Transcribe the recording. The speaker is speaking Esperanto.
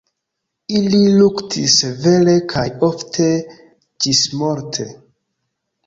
Ili luktis severe kaj ofte ĝismorte.